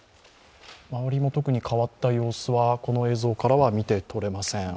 周りも特に変わった様子は、この映像からは見てとれません。